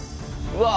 うわ！